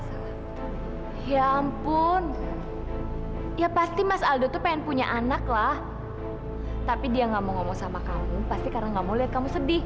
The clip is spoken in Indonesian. sampai jumpa di video selanjutnya